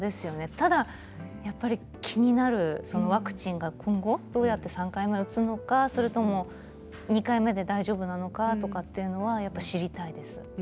ただ、やっぱり気になるワクチンが今後どうやって３回目を打つのかそれとも２回目で大丈夫なのかとかというのは知りたいです。